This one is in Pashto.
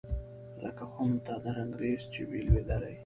لکه خُم ته د رنګرېز چي وي لوېدلی